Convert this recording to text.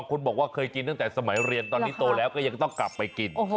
คุณบอกว่าเคยกินตั้งแต่สมัยเรียนตอนนี้โตแล้วก็ยังต้องกลับไปกิน